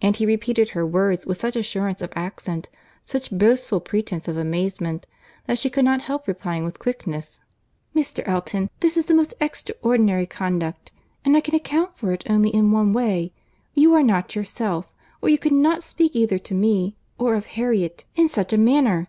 —And he repeated her words with such assurance of accent, such boastful pretence of amazement, that she could not help replying with quickness, "Mr. Elton, this is the most extraordinary conduct! and I can account for it only in one way; you are not yourself, or you could not speak either to me, or of Harriet, in such a manner.